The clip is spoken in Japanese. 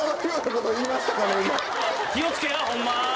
気を付けやホンマ。